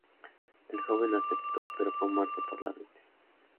El joven aceptó pero fue muerto por la bestia.